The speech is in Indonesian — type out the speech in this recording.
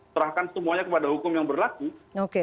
serahkan semuanya kepada hukum yang berlaku